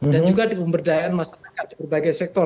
dan juga di pemberdayaan masyarakat di berbagai sektor